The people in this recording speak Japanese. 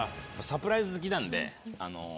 サプライズ好きなんで。